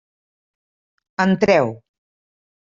Entreu.